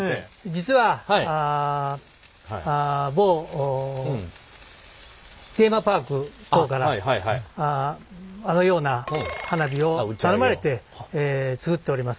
実は某テーマパーク等からあのような花火を頼まれて作っております。